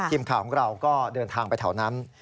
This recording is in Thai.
ทีมขายของเราก็เดินทางไปที่ทางนั้น